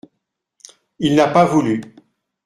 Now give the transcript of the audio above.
Il n'a pas voulu.